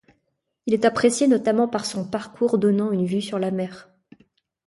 Il est apprécié notamment par son parcours donnant une vue sur la mer.